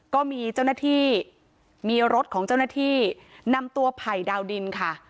ก็มีเจ้าหน้าที่มีรถของเจ้าหน้าที่นำตัวไผ่ดาวดินค่ะ